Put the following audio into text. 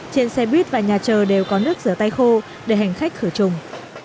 trên xe buýt và nhà chờ đều có nước rửa tay khô để hành khách khởi trùng